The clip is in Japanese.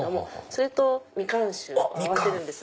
それとミカン酒合わせるんです。